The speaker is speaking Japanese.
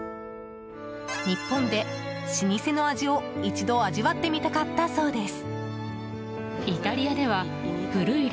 日本で、老舗の味を一度味わってみたかったそうです。